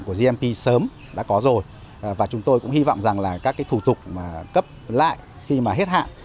của gmp sớm đã có rồi và chúng tôi cũng hy vọng rằng là các cái thủ tục mà cấp lại khi mà hết hạn